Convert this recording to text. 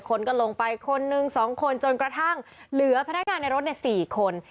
คนก็ลงไปคนนึง๒คนจนกระทั่งเหลือพนักงานในรถ๔คน